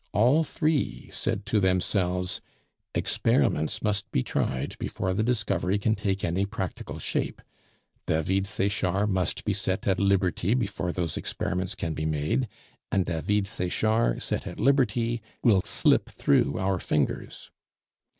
All three said to themselves "Experiments must be tried before the discovery can take any practical shape. David Sechard must be set at liberty before those experiments can be made; and David Sechard, set at liberty, will slip through our fingers."